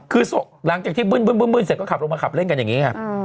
คือหลังจากที่บึ้นเสร็จก็ขับลงมาขับเล่นกันอย่างนี้ไง